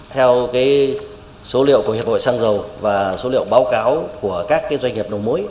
theo số liệu của hiệp hội xăng dầu và số liệu báo cáo của các doanh nghiệp đầu mối